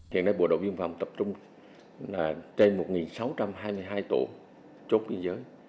hiện nay bộ đội biên phòng tập trung trên một sáu trăm hai mươi hai tổ chốt biên giới